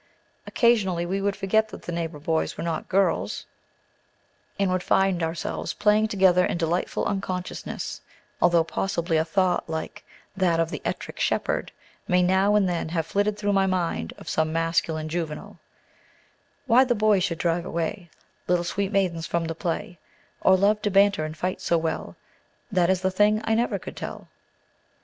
Occasionally we would forget that the neighbor boys were not girls, and would find ourselves all playing together in delightful unconsciousness; although possibly a thought, like that of the "Ettrick Shepherd," may now and then have flitted through the mind of some masculine juvenile: "Why the boys should drive away Little sweet maidens from the play, Or love to banter and fight so well, That Is the thing I never could tell."